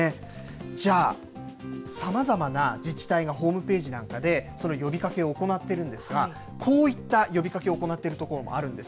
じゃあ、さまざまな自治体がホームページなんかでその呼びかけを行ってるんですが、こういった呼びかけを行っている所もあるんです。